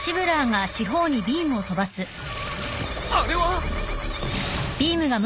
あれは！